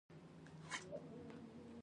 شهسوار خان يودم وټوخل.